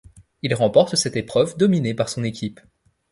Il remporte cette épreuve, dominée par son équipe.